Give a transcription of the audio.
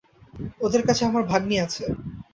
ওদের কাছে আমার ভাগ্নি আছে।